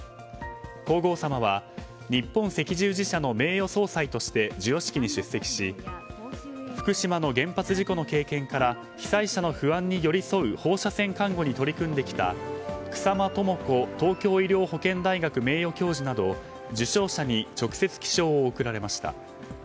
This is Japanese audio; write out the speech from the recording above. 皇后さまは日本赤十字社の名誉総裁として授与式に出席し福島の原発事故の経験から被災者の不安に寄り添う放射線看護に取り組んできた草間朋子東京医療保険大学名誉教授など受章者に直接記章を贈られました。